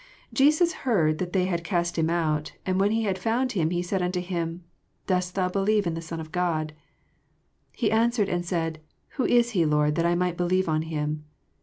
35 Jesus heard that they had oast him out; and when he had found him, he said unto him, Dost thoa believe on the Son of God 7 36 He answered and said, Who ia he. Lord, that I might believe on him?